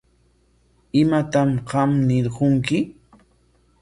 ¿Imatam qam ñirqunki?